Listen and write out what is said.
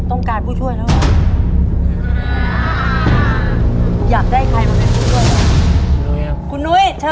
ต้องการผู้ช่วยแล้วหรอ